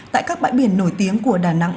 tại các bãi biển nổi tiếng của đà nẵng